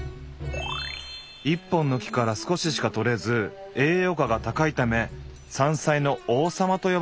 「１本の木から少ししか採れず栄養価が高いため『山菜の王様』と呼ばれる」。